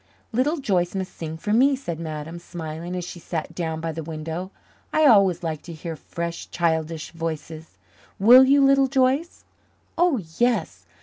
"Little Joyce must sing for me," said Madame, smiling, as she sat down by the window. "I always like to hear fresh, childish voices. Will you, Little Joyce?" "Oh, yes."